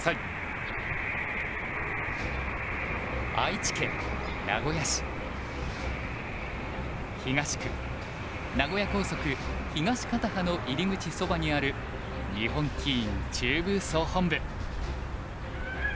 愛知県名古屋市東区名古屋高速東片端の入口そばにある日本棋院中部総本部。